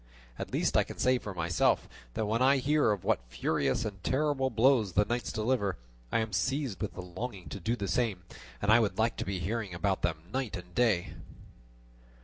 At least I can say for myself that when I hear of what furious and terrible blows the knights deliver, I am seized with the longing to do the same, and I would like to be hearing about them night and day."